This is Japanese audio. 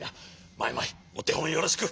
マイマイおてほんをよろしく。